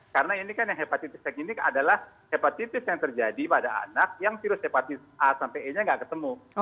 karena ini kan yang hepatitis segini adalah hepatitis yang terjadi pada anak yang virus hepatitis a sampai e nya enggak ketemu